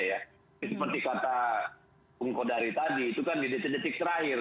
seperti kata bung kodari tadi itu kan di detik detik terakhir